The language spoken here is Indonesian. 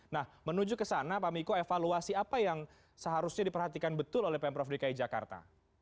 nah menuju ke sana pak miko evaluasi apa yang seharusnya diperhatikan betul oleh pemprov dki jakarta